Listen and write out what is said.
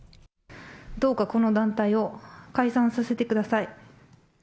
どうかこの団体を解散させてください。